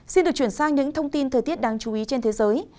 xin được chuyển sang những thông tin thời tiết đáng chú ý trên thế giới